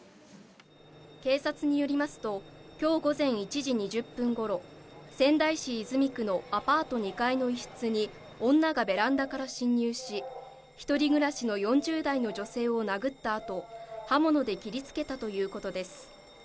警察によりますと今日午前１時２０分頃、仙台市泉区のアパート２階の一室に女がベランダから侵入し、一人暮らしの４０代の女性を殴った後、刃物で切りつけたということです。